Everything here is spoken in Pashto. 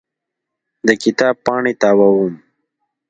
د کتاب پاڼې تاووم.